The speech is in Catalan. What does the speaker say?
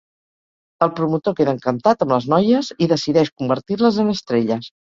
El promotor queda encantat amb les noies i decideix convertir-les en estrelles.